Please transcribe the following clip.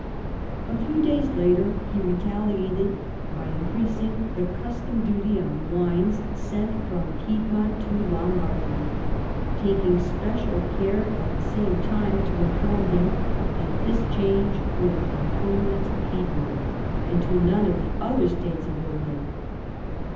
A few days later, be retaliated by increasing the custom duty on wines sent from Piedmont to Lombardy, taking special care at tbe same time to inform him that this cliange would apply only to Piedmont, and to none of tbe other States of Italy.